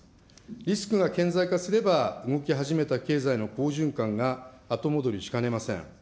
リスクが顕在化すれば、動き始めた経済の好循環が後戻りしかねません。